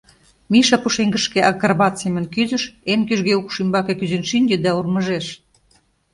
Миша пушеҥгышке акробат семын кӱзыш, эн кӱжгӧ укш ӱмбаке кӱзен шинче да урмыжеш: